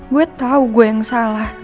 gue tahu gue yang salah